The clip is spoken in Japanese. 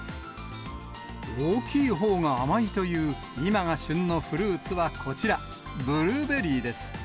大きいほうが甘いという、今が旬のフルーツはこちら、ブルーベリーです。